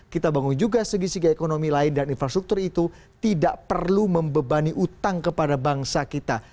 kita bangun juga segi segi ekonomi lain dan infrastruktur itu tidak perlu membebani utang kepada bangsa kita